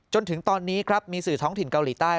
จนถึงตอนนี้ครับมีสื่อท้องถิ่นเกาหลีใต้